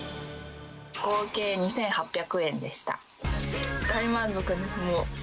合計２８００円でした。